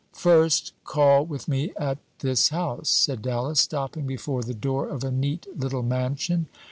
"First call with me at this house," said Dallas, stopping before the door of a neat little mansion.